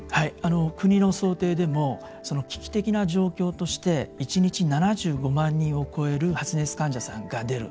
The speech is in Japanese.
国の想定でも危機的な状況として１日７５万人を超える発熱患者さんが出る。